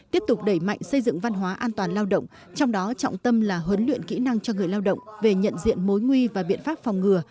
tiếp tục đẩy mạnh xây dựng văn hóa an toàn lao động trong đó trọng tâm là huấn luyện kỹ năng cho người lao động về nhận diện mối nguy và biện pháp phòng ngừa